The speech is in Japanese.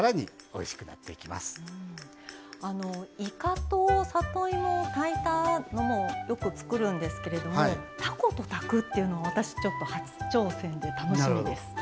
あのいかと里芋を炊いたのもよく作るんですけれどもたこと炊くっていうのは私ちょっと初挑戦で楽しみです。